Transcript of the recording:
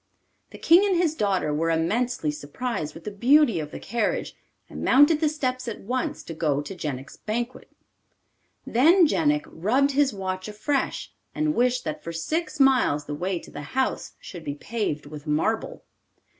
The King and his daughter were immensely surprised with the beauty of the carriage, and mounted the steps at once to go to Jenik's banquet. Then Jenik rubbed his watch afresh, and wished that for six miles the way to the house should be paved with marble.